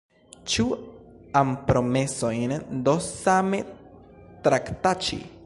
Ĉu ampromesojn do same traktaĉi?